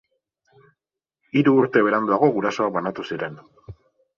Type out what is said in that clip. Hiru urte beranduago gurasoak banatu ziren.